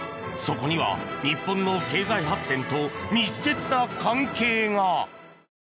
そこには日本の経済発展と密接な関係が。